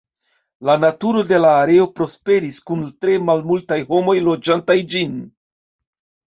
La naturo de la areo prosperis kun tre malmultaj homoj loĝantaj ĝin.